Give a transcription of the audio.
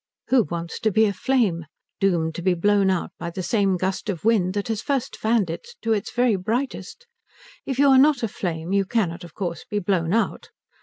Who wants to be a flame, doomed to be blown out by the same gust of wind that has first fanned it to its very brightest? If you are not a flame you cannot, of course, be blown out.